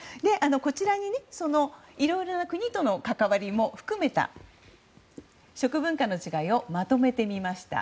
こちらに、いろいろな国との関わりも含めた食文化の違いをまとめてみました。